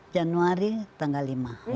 januari tanggal lima